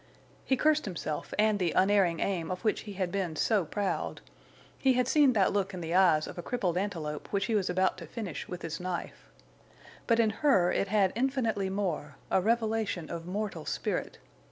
He cursed himself and the unerring aim of which he had been so proud. He had seen that look in the eyes of a crippled antelope which he was about to finish with his knife. But in her it had infinitely more—a revelation of mortal spirit.